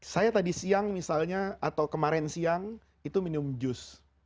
saya tadi siang misalnya atau kemarin siang itu minum jus